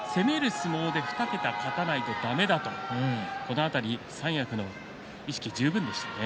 相撲で２桁勝たないとだめだとこの辺り三役の意識十分でしたね。